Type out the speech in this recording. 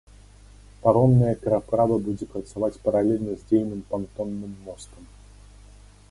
Паромная пераправа будзе працаваць паралельна з дзейным пантонным мостам.